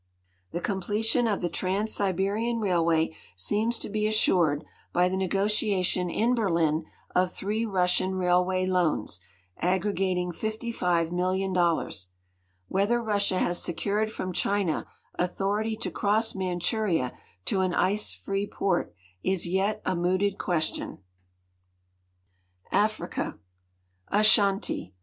The completion of the Trans Siberian railway seems to be assured by the negotiation in Berlin of three Russian railway loans, aggregating $5.5,000,000. Whether Russia has secured from China authority to cross iManchuria to an ice free port is yet a mooted question. AFRICA Asuanti.